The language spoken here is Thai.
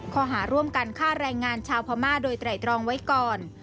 ข้อหาร่วมกันฆ่าแรงงานชาวพม่าโดยไตรตรองไว้ก่อน